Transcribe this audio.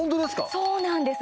そうなんです。